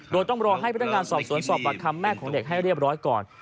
โดยต้องรอให้พนักงานสอบสวนสอบปากคำแม่ของเด็กให้เรียบร้อยก่อน